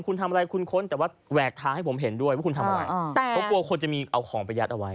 คุณทำอะไรคุณค้นแต่ว่าแหวกทางให้ผมเห็นด้วยว่าคุณทำอะไร